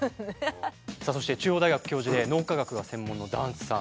そして中央大学教授で脳科学が専門の檀さん。